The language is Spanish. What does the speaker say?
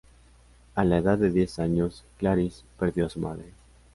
A la edad de diez años, Clarice perdió a su madre.